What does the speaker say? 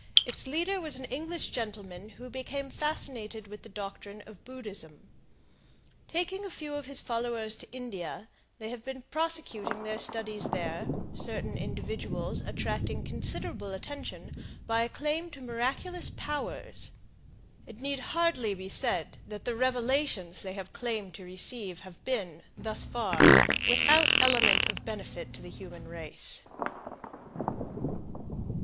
Its leader was an English gentleman who had become fascinated with the doctrine of Buddhism. Taking a few of his followers to India, they have been prosecuting their studies there, certain individuals attracting considerable attention by a claim to miraculous powers. It need hardly be said that the revelations they have claimed to receive have been, thus far, without element of benefit to the human race.